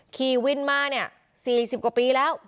ขี่วินมาเนี่ย๔๐กว่าปีแล้ว